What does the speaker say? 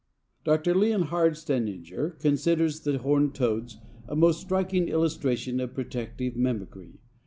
Dr. Leonhard Stejneger considers the Horned Toads a most striking illustration of protective mimicry.